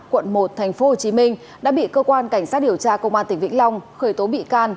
quận một tp hcm đã bị cơ quan cảnh sát điều tra công an tỉnh vĩnh long khởi tố bị can